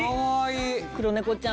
黒猫ちゃん。